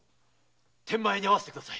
天満屋に会わせてください。